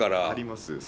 あります。